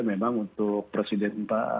memang untuk presiden